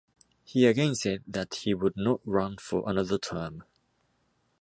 He again said that he would not run for another term.